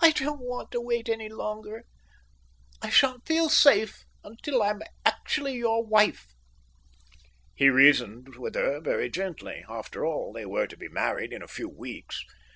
"I don't want to wait any longer. I shan't feel safe till I'm actually your wife." He reasoned with her very gently. After all, they were to be married in a few weeks.